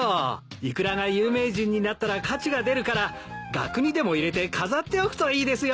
イクラが有名人になったら価値が出るから額にでも入れて飾っておくといいですよ。